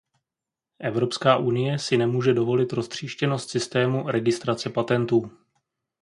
Evropská unie si nemůže dovolit roztříštěnost systému registrace patentů.